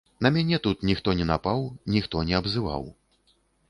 На мяне тут ніхто не напаў, ніхто не абзываў.